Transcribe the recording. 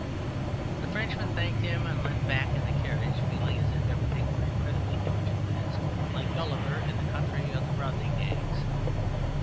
The Frenchman thanked him and leant back in the carriage, feeling as if everything were incredibly huge and vast, like Gulliver in the country of the Brobdingnags.